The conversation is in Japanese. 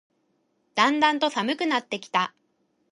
だんだんと寒くなってきた